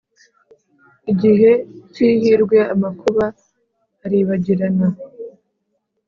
Igihe cy’ihirwe, amakuba aribagirana,